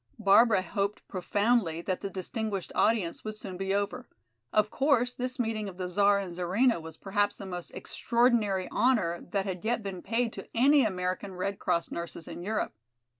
Barbara hoped profoundly that the distinguished audience would soon be over. Of course, this meeting of the Czar and Czarina was perhaps the most extraordinary honor that had yet been paid to any American Red Cross nurses in Europe.